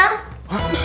lu pas sama indra